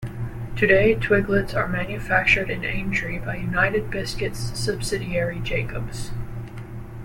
Today, Twiglets are manufactured in Aintree by United Biscuits subsidiary Jacob's.